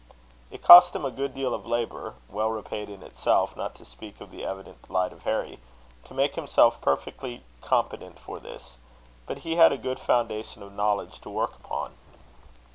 It cost him a good deal of labour (well repaid in itself, not to speak of the evident delight of Harry), to make himself perfectly competent for this; but he had a good foundation of knowledge to work upon.